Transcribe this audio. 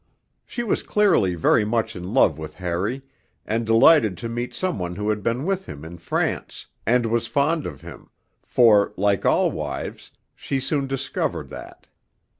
She was clearly very much in love with Harry, and delighted to meet some one who had been with him in France, and was fond of him for, like all wives, she soon discovered that.